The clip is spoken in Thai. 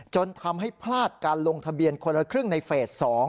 จนทำให้พลาดการลงทะเบียนคนละครึ่งในเฟส๒